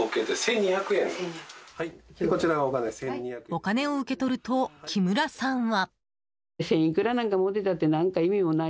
お金を受け取ると木村さんは。